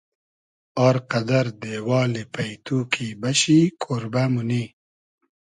ار قئدئر دېوالی پݷتو کی بئشی کۉربۂ مونی